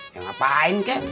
ya ngapain kek